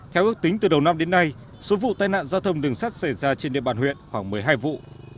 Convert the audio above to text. theo ước tính từ đầu năm đến nay số vụ tai nạn giao thông đường sắt xảy ra trên địa bàn huyện khoảng một mươi hai vụ